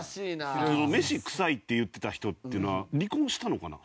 飯臭いって言ってた人っていうのは離婚したのかな？